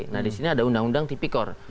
nah disini ada undang undang tipikor